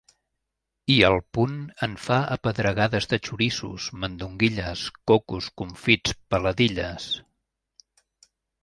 I al punt en fa apedregades de xoriços, mandonguilles, cocos, confits, peladilles!